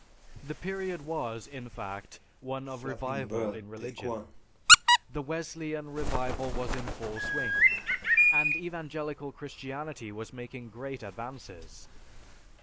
The period was, in fact, one of revival in religion. The Wesleyan revival was in full swing, and Evangelical Christianity was making great advances.